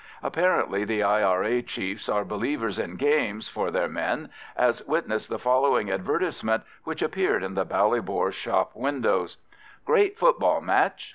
Apparently the I.R.A. chiefs are believers in games for their men, as witness the following advertisement which appeared in the Ballybor shop windows:— GREAT FOOTBALL MATCH.